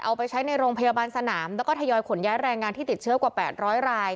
เอาไปใช้ในโรงพยาบาลสนามแล้วก็ทยอยขนย้ายแรงงานที่ติดเชื้อกว่า๘๐๐ราย